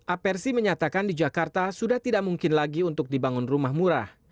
apersi menyatakan di jakarta sudah tidak mungkin lagi untuk dibangun rumah murah